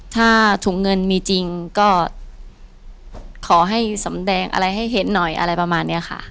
ถ้าถุงเงินมีจริงก็ขอให้สำแดงอะไรให้เห็นหน่อยอะไรประมาณนี้ค่ะ